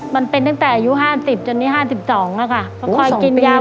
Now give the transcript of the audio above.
มันเป็นตั้งแต่อายุห้าสิบจนที่ห้าสิบสองแล้วค่ะโอ้สองปีแล้ว